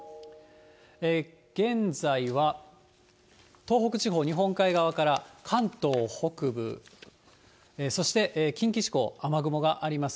現在は、東北地方、日本海側から関東北部、そして近畿地方、雨雲があります。